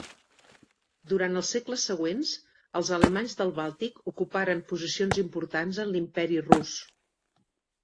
Durant els segles següents, els alemanys del Bàltic ocuparen posicions importants en l'Imperi Rus.